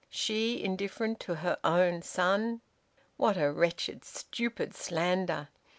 She, indifferent to her own son! What a wretched, stupid slander!